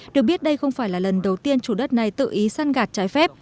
được biết đây không phải là lần đầu tiên chủ đất này tự ý săn gạt trái phép